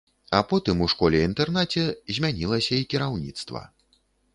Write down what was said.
А потым у школе-інтэрнаце змянілася і кіраўніцтва.